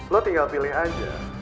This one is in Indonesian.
lu tinggal pilih aja